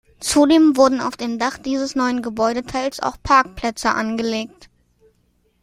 Zudem wurden auf dem Dach dieses neuen Gebäudeteils auch Parkplätze angelegt.